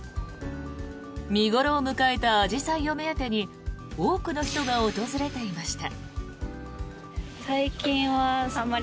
見頃を迎えたアジサイを目当てに多くの人が訪れていました。